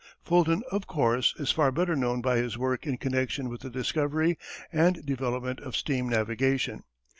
Fulton, of course, is far better known by his work in connection with the discovery and development of steam navigation.